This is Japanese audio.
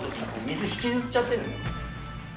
水を引きずっちゃってるんで。